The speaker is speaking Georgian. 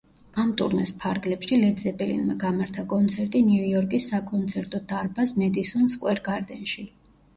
ამ ტურნეს ფარგლებში ლედ ზეპელინმა გამართა კონცერტი ნიუ-იორკის საკონცერტო დარბაზ მედისონ სკვერ გარდენში.